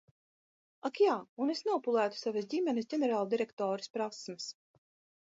Ak jā – un es nopulētu savas ģimenes ģenerāldirektores prasmes.